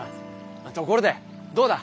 ところでどうだ？